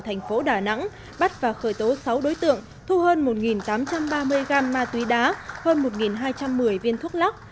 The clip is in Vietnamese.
thành phố đà nẵng bắt và khởi tố sáu đối tượng thu hơn một tám trăm ba mươi gram ma túy đá hơn một hai trăm một mươi viên thuốc lắc